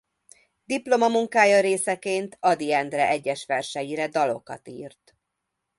Diplomamunkája részeként Ady Endre egyes verseire dalokat írt.